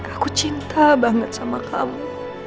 aku cinta banget sama kamu